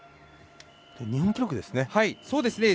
日本記録ですね。